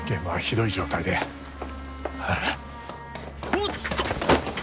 おっと！